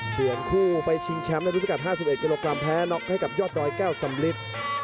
คู่ไปชิงแชมป์ในรุ่นพิกัด๕๑กิโลกรัมแพ้น็อกให้กับยอดดอยแก้วสำลิด